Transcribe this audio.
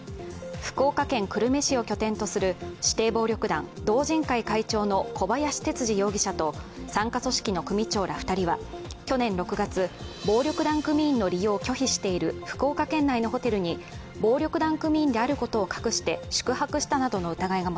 福岡県久留米市を拠点とする指定暴力団、道仁会会長の小林哲治容疑者と傘下組織の組長ら２人は去年６月、暴力団組員の利用を拒否している福岡県内のホテルに暴力団組員であることを隠して宿泊したなどの疑いが